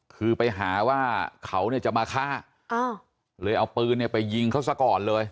คือไปหาว่าเขาเนี่ยจะมาฆ่าเลยเอาปืนเนี่ยไปยิงเขาซะก่อนเลย